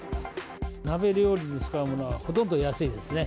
鍋料理に使うものは、ほとんど安いですね。